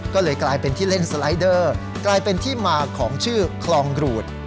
ก็เลยกลายเป็นที่เล่นสไลดเดอร์กลายเป็นที่มาของชื่อคลองรูด